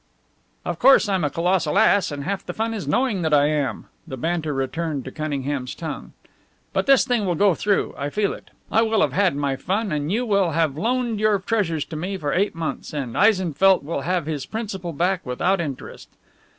"Of course I'm a colossal ass, and half the fun is knowing that I am." The banter returned to Cunningham's tongue. "But this thing will go through I feel it. I will have had my fun, and you will have loaned your treasures to me for eight months, and Eisenfeldt will have his principal back without interest.